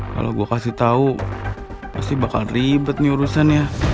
kalau gue kasih tau pasti bakal ribet nih urusannya